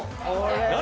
何？